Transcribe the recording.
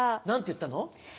何て言ったの？